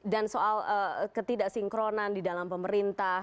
dan soal ketidaksinkronan di dalam pemerintah